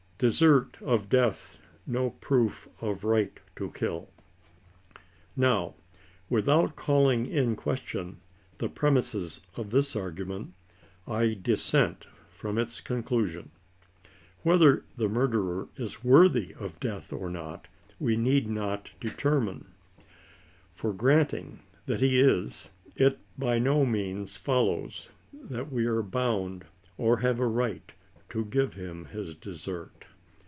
DESERT OF DEATH NO PROOF OF RIGHT TO KILL. Now without calling in question the premises of this argu ment, I dissent from its conclusion. Whether the murderer is worthy of death or not, we need not determine ; for granting that he is, it by no means follows that we are bound, or have a right, to give him his desert.